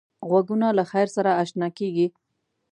غوږونه له خیر سره اشنا کېږي